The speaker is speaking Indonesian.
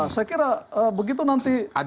saya kira begitu nanti